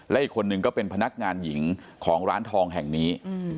และอีกคนนึงก็เป็นพนักงานหญิงของร้านทองแห่งนี้